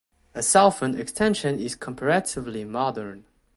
A southern extension is comparatively modern.